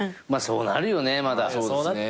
まあそうなるよねまだ。